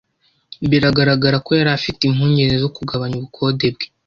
Biragaragara ko yari afite impungenge zo kugabanya ubukode bwe.